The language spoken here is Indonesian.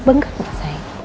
bengkak ya saya